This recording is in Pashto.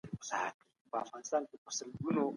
خلګ د نویو معلوماتو په لټه کي دي.